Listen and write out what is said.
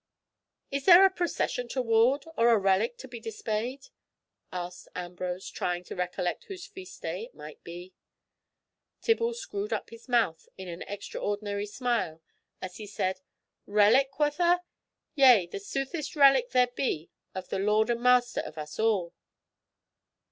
"Is there a procession toward? or a relic to be displayed?" asked Ambrose, trying to recollect whose feast day it might be. Tibble screwed up his mouth in an extraordinary smile as he said, "Relic quotha? yea, the soothest relic there be of the Lord and Master of us all."